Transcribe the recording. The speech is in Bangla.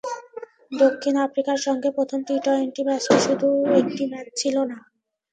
দক্ষিণ আফ্রিকার সঙ্গে প্রথম টি-টোয়েন্টি ম্যাচটি শুধুই একটি ম্যাচ ছিল না।